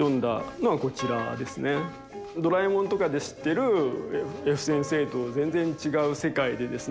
「ドラえもん」とかで知っているＦ先生と全然違う世界でですね